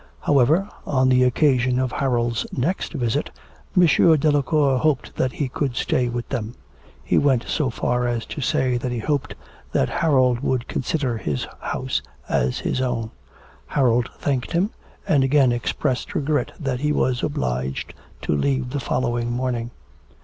However, on the occasion of Harold's next visit, M. Delacour hoped that he could stay with them. He went so far as to say that he hoped that Harold would consider this house as his own. Harold thanked him, and again expressed regret that he was obliged to leave the following morning.